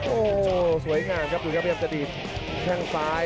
โอ้โหสวยงามครับดูครับพยายามจะดีดแข้งซ้าย